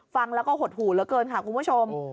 ฟังแล้วก็หดหู่เหลือเกินค่ะคุณผู้ชม